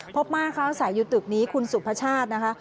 พบมาครับใส่อยู่ตึกนี้คุณสุภชาตินะคะ